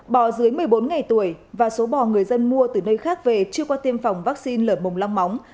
bò dưới một mươi bốn ngày tuổi và số bò người dân mua từ nơi khác về chưa qua tiêm phòng vaccine lở mồm long móng